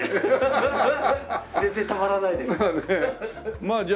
全然たまらないです。